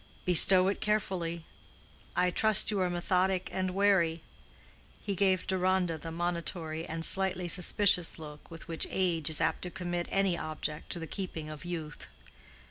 "Bestow it carefully. I trust you are methodic and wary." He gave Deronda the monitory and slightly suspicious look with which age is apt to commit any object to the keeping of youth.